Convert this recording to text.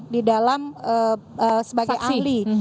di dalam sebagai ahli